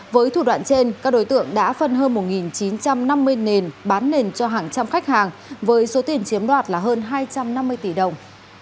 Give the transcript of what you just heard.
với thủ đoạn trên các đối tượng đã phân hơn một chín trăm năm mươi nền bán nền cho hàng trăm khách hàng với số tiền chiếm đoạt là hơn hai trăm năm mươi tỷ đồng